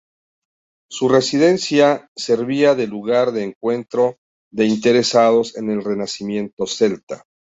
Su residencia servía de lugar de encuentro de interesados en el renacimiento celta.